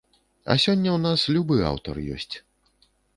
А сёння ў нас любы аўтар ёсць.